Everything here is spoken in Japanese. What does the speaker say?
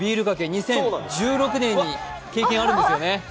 ２０１６年に経験があるんですね